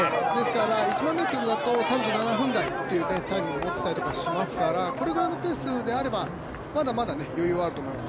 １００００ｍだと３７分台というタイムを持っていたりしますからこれぐらいのペースであればまだまだ余裕があると思います。